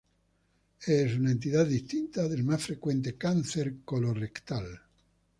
Es una entidad distinta del más frecuente cáncer colorrectal.